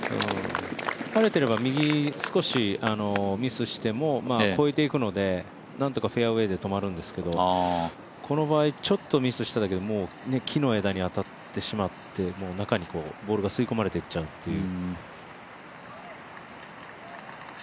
晴れてれば右、少しミスしても超えていくのでなんとかフェアウエーで止まるんですけどこの場合ちょっとミスしただけで木の枝に当たってしまって中にボールが吸い込まれていっちゃうっていう。